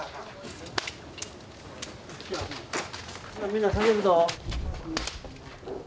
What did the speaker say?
みんな下げるぞ。